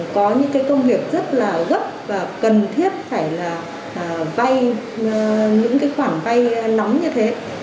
có những công việc rất là gấp và cần thiết phải vay những khoản vay nóng như thế